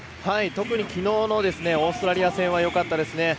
きのうのオーストラリア戦はよかったですね。